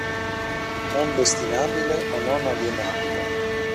Non destinabile o non alienabile.